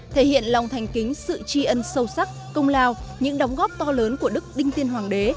thể hiện lòng thành kính sự tri ân sâu sắc công lao những đóng góp to lớn của đức đinh tiên hoàng đế